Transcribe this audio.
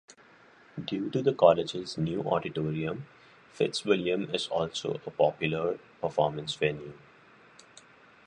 Due to the college's new Auditorium, Fitzwilliam is also a popular performance venue.